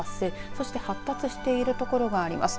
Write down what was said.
そして発達している所があります。